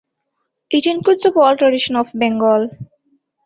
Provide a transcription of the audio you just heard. It includes the Baul tradition of Bengal.